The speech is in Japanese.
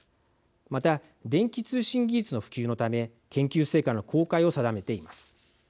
また電気通信技術の普及のため研究成果の公開を定めています。